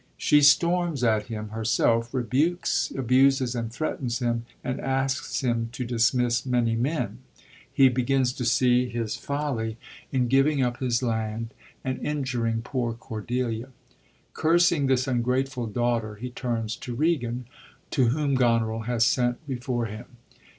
She storms at him herself, rebukes, abuses and threatens him, and asks him to dismiss many men. He begins to see his folly in 125 KING LEAR giving up his land and injuring poor Cordelia. Oursing this ungrateful daughter, he turns to Regan, to whom Goneril has sent before him.